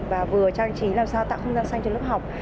và vừa trang trí làm sao tạo không gian xanh cho lớp học